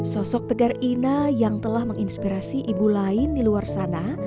sosok tegar ina yang telah menginspirasi ibu lain di luar sana